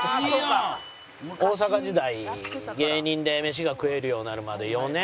大阪時代芸人で飯が食えるようになるまで４年？